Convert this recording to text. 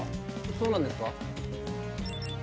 そうなんですか？